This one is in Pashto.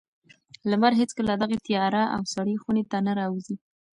لمر هېڅکله دغې تیاره او سړې خونې ته نه راوځي.